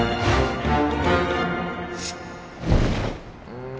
うん。